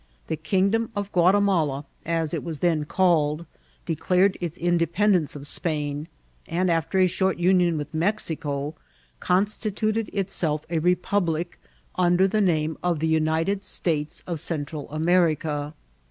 ^ 199 Kingdom of Guatiiiuda, as it was then called^ dedared its independence of Spain, and, afiter a short union with Mexico, constituted itself a republic under the name of the United States of Central America.